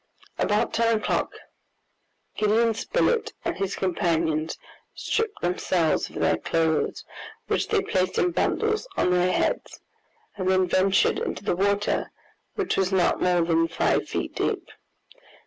About ten o'clock, Gideon Spilett and his companions stripped themselves of their clothes, which they placed in bundles on their heads, and then ventured into the water, which was not more than five feet deep.